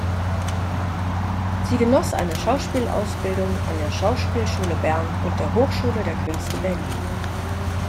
Sie genoss eine Schauspielausbildung an der Schauspielschule Bern und der Hochschule der Künste Berlin.